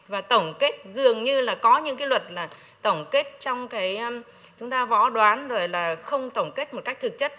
và tổng kết dường như là có những cái luật là tổng kết trong cái chúng ta võ đoán rồi là không tổng kết một cách thực chất